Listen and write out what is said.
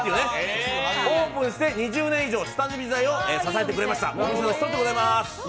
オープンして２０年以上下積み時代を支えてくれました。